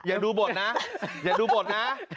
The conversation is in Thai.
อย่าดูบทนะอย่าดูบทนะ